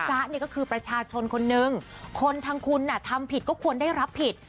๊ะเนี่ยก็คือประชาชนคนนึงคนทางคุณทำผิดก็ควรได้รับผิด